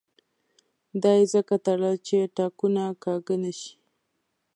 دا یې ځکه تړل چې تاکونه کاږه نه شي.